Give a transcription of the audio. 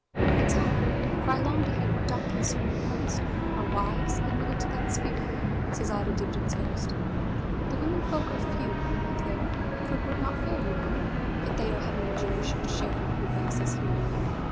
"But tell me, for I long to hearWhat doth concern me most, Are wives admitted to that sphere?"Says I to Dibdin's ghost."The women folk are few up there; For 't were not fair, you know, That they our heavenly joy should shareWho vex us here below.